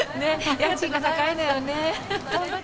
家賃が高いのよね。